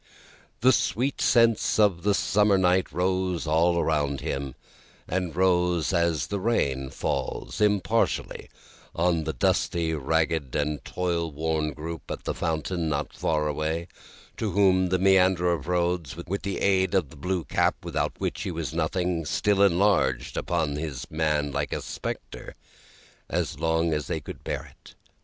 The sweet scents of the summer night rose all around him, and rose, as the rain falls, impartially, on the dusty, ragged, and toil worn group at the fountain not far away; to whom the mender of roads, with the aid of the blue cap without which he was nothing, still enlarged upon his man like a spectre, as long as they could bear it.